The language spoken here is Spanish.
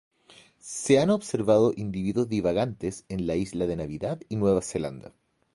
Se han observado individuos divagantes en la isla de Navidad y Nueva Zelanda.